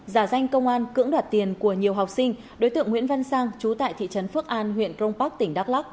giả danh công an cưỡng đoạt tiền của nhiều học sinh đối tượng nguyễn văn sang chú tại thị trấn phước an huyện crong park tỉnh đắk lắc